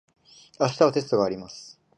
明日はテストがあります。